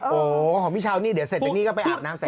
โอ้โหของพี่ชาวนี่เดี๋ยวเสร็จตั้งนี้ก็ไปอาบน้ำใส่ซะ